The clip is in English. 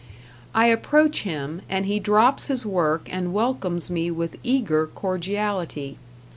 #" I approach him, and he drops his work and welcomes me with eager cordiality.